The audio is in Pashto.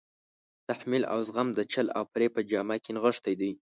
تحمل او زغم د چل او فریب په جامه کې نغښتی دی.